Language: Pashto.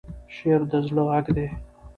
شعر د زړه غږ دی.